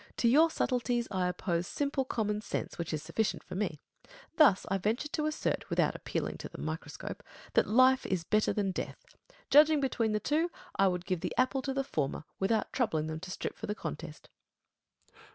To your subtleties, I oppose simple common sense, which is sufficient for me. Thus, I venture to assert, without appealing to the microscope, that life is better than death. Judging between the two, I would ^ See Lettres Philoso^ikiques : let. ii. AND A METAPHYSICIAN. 63 give the apple to the former, without troubling them to strip for the contest. Met.